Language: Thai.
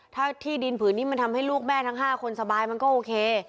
ถ้าที่ดินผืนนี้มันทำให้ลูกแม่ทั้ง๕คนสบายมันก็โอเค